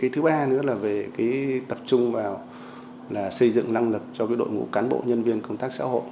thứ ba nữa là về tập trung vào là xây dựng năng lực cho đội ngũ cán bộ nhân viên công tác xã hội